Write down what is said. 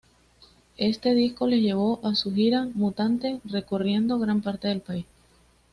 Este disco les llevo a su Gira Mutante recorriendo gran parte del país.